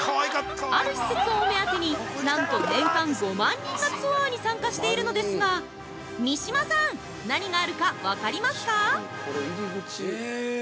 ある施設を目当てになんと年間５万人がツアーに参加しているのですが三島さん、何があるか分かりますか？